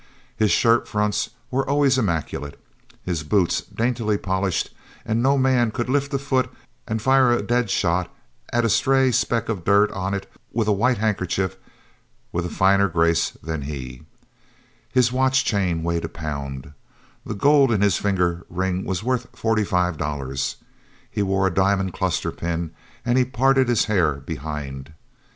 His shirt fronts were always immaculate; his boots daintily polished, and no man could lift a foot and fire a dead shot at a stray speck of dirt on it with a white handkerchief with a finer grace than he; his watch chain weighed a pound; the gold in his finger ring was worth forty five dollars; he wore a diamond cluster pin and he parted his hair behind.